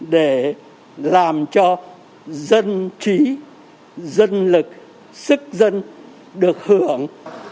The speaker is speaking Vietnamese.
để làm cho dân trí dân lực sức dân được hưởng